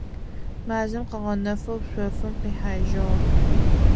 Мазэм къыгъэнэфэу шъофым къихьажьыгъэх.